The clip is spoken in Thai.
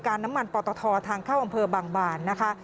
น้ำมันปอตททางเข้าอำเภอบางบานนะคะ